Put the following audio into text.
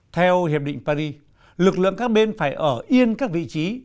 theo hiệp định paris lực lượng các bên phải ở yên các vị trí